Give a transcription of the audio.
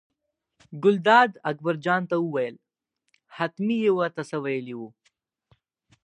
ګلداد اکبرجان ته وویل حتمي یې ور ته څه ویلي وو.